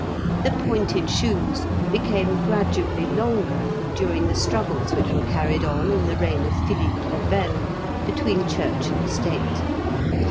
The pointed shoes became gradually longer during the struggles which were carried on in the reign of Philippe le Bel between Church and State.